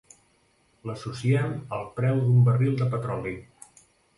L'associem al preu d'un barril de petroli.